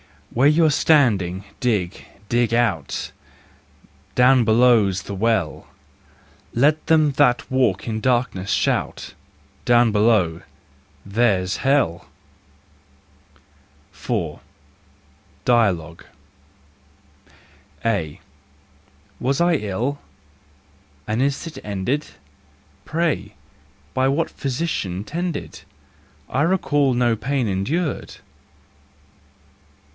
Where you're standing, dig, dig out: Down below's the Well: Let them that walk in darkness shout: " Down below—there's Hell! " 13 14 THE JOYFUL WISDOM 4 Dialogue. A. Was I ill? and is it ended ? Pray, by what physician tended ? I recall no pain endured!